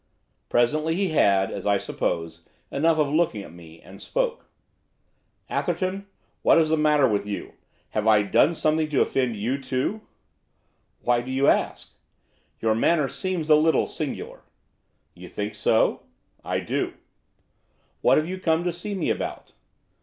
Presently he had, as I suppose, enough of looking at me, and spoke. 'Atherton, what is the matter with you? Have I done something to offend you too?' 'Why do you ask?' 'Your manner seems a little singular.' 'You think so?' 'I do.' 'What have you come to see me about?